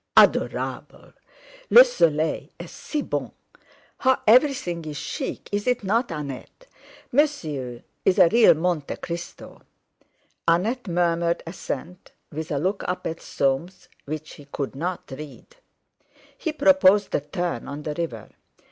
"Adorable! Le soleil est si bon! How everything is chic, is it not, Annette? Monsieur is a real Monte Cristo." Annette murmured assent, with a look up at Soames which he could not read. He proposed a turn on the river.